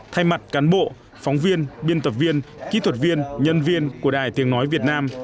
thay mặt cán bộ phóng viên biên tập viên kỹ thuật viên nhân viên của đài tiếng nói việt nam